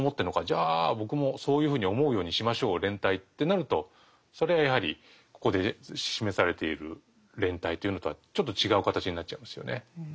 じゃあ僕もそういうふうに思うようにしましょう連帯」ってなるとそれはやはりここで示されている連帯というのとはちょっと違う形になっちゃいますよね。